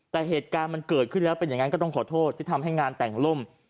แต่เหตุการณ์มันเกิดขึ้นแล้วเป็นอย่างนั้นก็ต้องขอโทษที่ทำให้งานแต่งล่ม